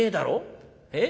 「えっ？